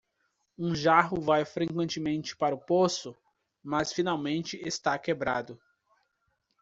Um jarro vai frequentemente para o poço?, mas finalmente está quebrado.